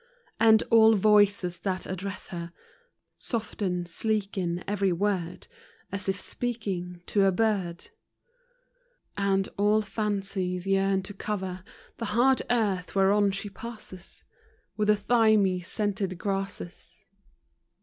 And all voices that address her, Soften, sleeken every word, As if speaking to a bird. 30 FROM QUEENS' GARDENS. And all fancies yearn to cover The hard earth whereon she passes, With the thymy scented grasses.